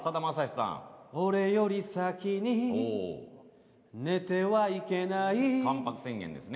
「俺より先に寝てはいけない」「関白宣言」ですね。